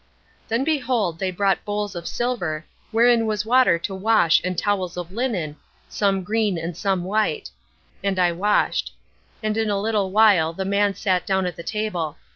"Then behold they brought bowls of silver, wherein was water to wash and towels of linen, some green and some white; and I washed. And in a little while the man sat down at the table.